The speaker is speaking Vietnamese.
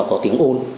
có tiếng ôn